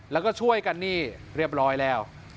แล้วก็ช่วยกันนี่เรียบร้อยแล้ว